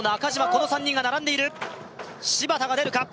この３人が並んでいる芝田が出るか？